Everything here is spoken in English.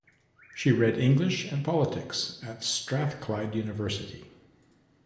She read English and Politics at Strathclyde University.